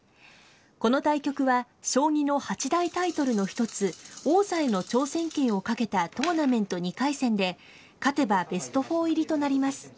この対局は、将棋の８大タイトルの１つ、王座への挑戦権をかけたトーナメント２回戦で、勝てばベスト４入りとなります。